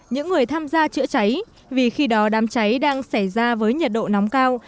những người tham gia chữa cháy vì khi đó đám cháy đang xảy ra với nhiệt độ nóng cao